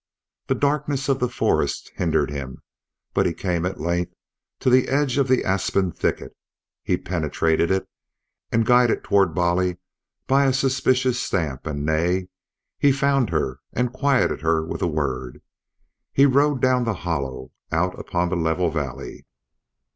The darkness of the forest hindered him, but he came at length to the edge of the aspen thicket; he penetrated it, and guided toward Bolly by a suspicious stamp and neigh, he found her and quieted her with a word. He rode down the hollow, out upon the level valley.